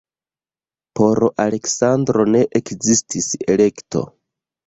Por Aleksandro ne ekzistis elekto.